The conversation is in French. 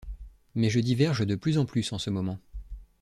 Mais je diverge de plus en plus en ce moment.